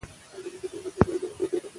ښوونکي وویل چې اصلاح ضروري ده.